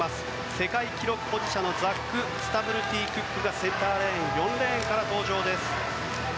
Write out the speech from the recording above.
世界記録保持者のザック・スタブルティ・クックがセンターレーン４レーンから登場です。